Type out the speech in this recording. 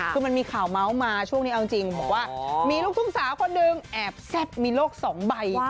คือมันมีข่าวเมาส์มาช่วงนี้เอาจริงบอกว่ามีลูกทุ่งสาวคนหนึ่งแอบแซ่บมีโลกสองใบ